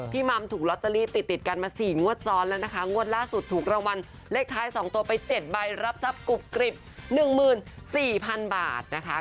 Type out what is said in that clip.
มัมถูกลอตเตอรี่ติดติดกันมา๔งวดซ้อนแล้วนะคะงวดล่าสุดถูกรางวัลเลขท้าย๒ตัวไป๗ใบรับทรัพย์กรุบกริบ๑๔๐๐๐บาทนะคะ